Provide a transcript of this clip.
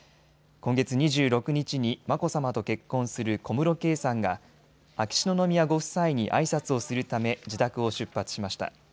今月２６日に眞子さまと結婚する小室圭さんが秋篠宮ご夫妻にあいさつをするため自宅を出発しました。